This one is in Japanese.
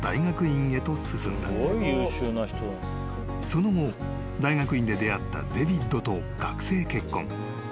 ［その後大学院で出会ったデヴィッドと学生結婚］